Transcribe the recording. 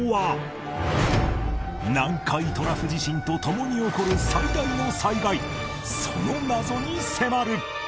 南海トラフ地震と共に起こる最大の災害その謎に迫る